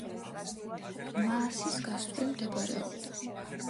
მაასის გასწვრივ მდებარეობდა.